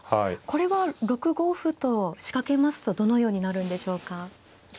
これは６五歩と仕掛けますとどのようになるんでしょうか。